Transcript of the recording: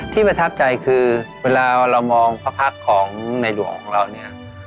ประทับใจคือเวลาเรามองพระพักษ์ของในหลวงของเราเนี่ย